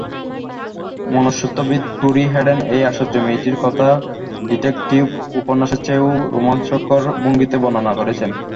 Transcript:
মনস্তত্ত্ববিদ Torey Hayden এই আশ্চর্য মেয়েটির কথা ডিটেকটিভ উপন্যাসের চেয়েও রোমাঞ্চকর ভঙ্গিতে বর্ণনা করেছেন।